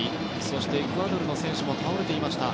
そしてエクアドルの選手も倒れていました。